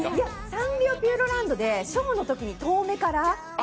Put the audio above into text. サンリオピューロランドでショーのときに遠目から。